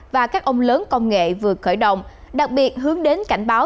và các ông lớn công nghệ vừa khởi động đặc biệt hướng đến cảnh báo